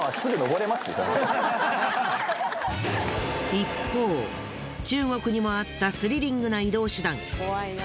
一方中国にもあったスリリングな移動手段。